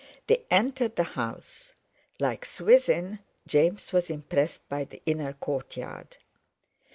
They entered the house. Like Swithin, James was impressed by the inner court yard.